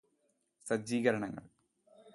സജ്ജീകരണങ്ങള്